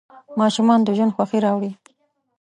ماشومان د ژوند خوښي راوړي.